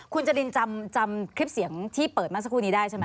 คุณจรินจำคลิปเสียงที่เปิดมาสักครู่นี้ได้ใช่ไหม